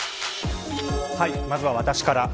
まずは私から。